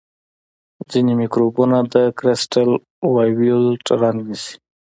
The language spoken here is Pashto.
ځینې مکروبونه د کرسټل وایولېټ رنګ نیسي.